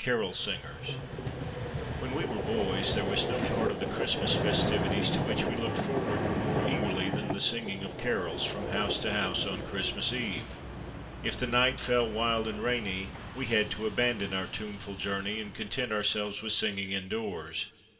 CAROL SINGERS WHEN we were boys there was no part of the Christmas festivities to which we looked forward more eagerly than the singing of carols from house to house on Christmas Eve. If the night fell wild and rainy, we had to abandon our tuneful journey and content ourselves with singing indoors.